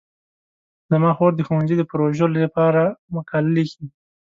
زما خور د ښوونځي د پروژې لپاره مقاله لیکي.